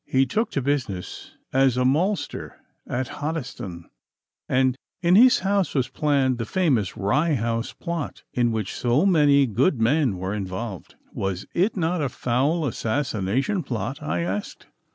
He took to business as a maltster at Hoddesdon, and in his house was planned the famous Rye House Plot, in which so many good men were involved.' 'Was it not a foul assassination plot?' I asked.